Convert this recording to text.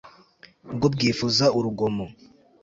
bwo bwifuza urugomo